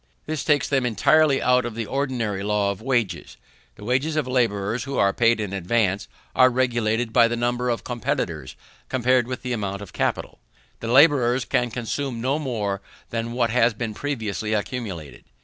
This takes them entirely out of the ordinary law of wages. The wages of labourers who are paid in advance, are regulated by the number of competitors compared with the amount of capital; the labourers can consume no more than what has been previously accumulated.